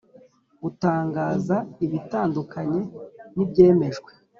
Gutangaza ibitandukanye n ibyemejwe